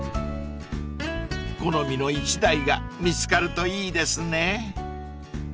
［好みの１台が見つかるといいですね］